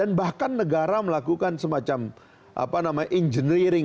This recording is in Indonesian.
mengajukan pertanyaan ini